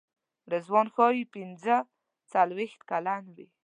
رضوان ښایي پنځه څلوېښت کلن وي.